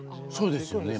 そうですよね